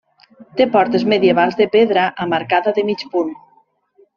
Té portes medievals de pedra amb arcada de mig punt.